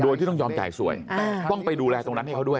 โดยที่ต้องยอมจ่ายสวยต้องไปดูแลตรงนั้นให้เขาด้วย